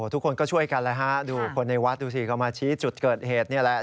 ทุกคนก็ช่วยกันแล้วฮะดูคนในวัดดูสิก็มาชี้จุดเกิดเหตุนี่แหละ